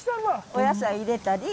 お野菜入れたり。